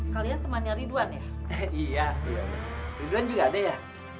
kalian temannya ridwan ya ridwan juga ada ya